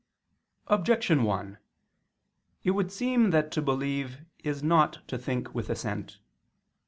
Objection 1: It would seem that to believe is not to think with assent.